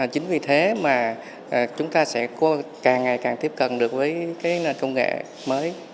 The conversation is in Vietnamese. chính vì thế mà chúng ta sẽ càng ngày càng tiếp cận được với cái nền công nghệ mới